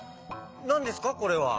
なんですかこれは？